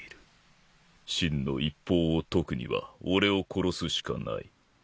「心の一方」を解くには俺を殺すしかない。